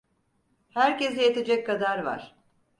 Herkese yetecek kadar var.